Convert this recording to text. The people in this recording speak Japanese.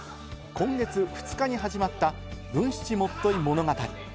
今月２日に始まった『文七元結物語』。